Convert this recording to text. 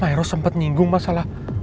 myros sempet nyinggung masalah